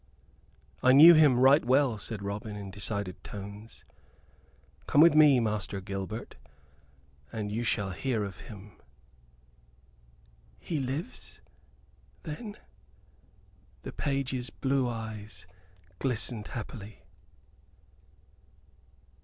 "I knew him right well," said Robin, in decided tones. "Come with me, Master Gilbert, and you shall hear of him." "He lives, then?" The page's blue eyes glistened happily.